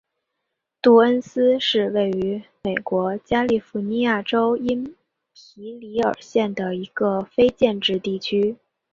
杜恩斯是位于美国加利福尼亚州因皮里尔县的一个非建制地区。